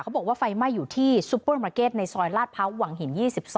บอกว่าไฟไหม้อยู่ที่ซุปเปอร์มาร์เก็ตในซอยลาดพร้าวหวังหิน๒๒